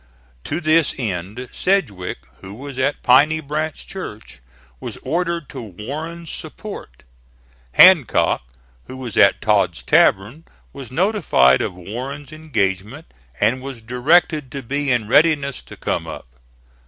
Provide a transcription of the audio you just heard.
To this end Sedgwick who was at Piney Branch Church, was ordered to Warren's support. Hancock, who was at Todd's Tavern, was notified of Warren's engagement, and was directed to be in readiness to come up.